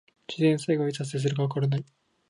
自然災害はいつ発生するかわからない。